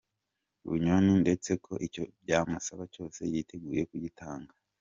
Bunyoni ndetse ko icyo byamusaba cyose yiteguye kugitanga.